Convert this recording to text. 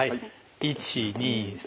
１２３。